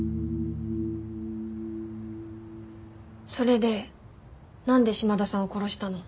それでなんで島田さんを殺したの？